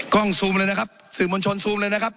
กล้องซูมเลยนะครับสื่อมวลชนซูมเลยนะครับ